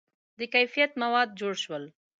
• د کیفیت مواد جوړ شول.